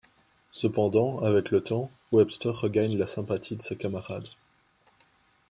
Cependant avec le temps, Webster regagne la sympathie de ses camarades.